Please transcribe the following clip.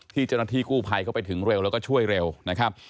เจ้าหน้าที่กู้ภัยเข้าไปถึงเร็วแล้วก็ช่วยเร็วนะครับ